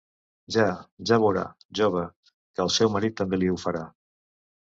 Ja, ja veurà, jove, que el seu marit també li ho fa.